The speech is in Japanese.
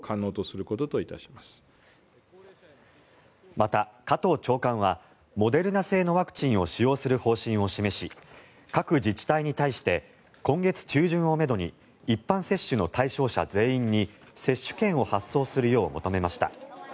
また、加藤長官はモデルナ製のワクチンを使用する方針を示し各自治体に対して今月中旬をめどに一般接種の対象者全員に接種券を発送するよう求めました。